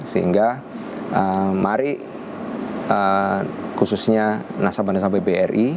sehingga mari khususnya nasabah nasabah bri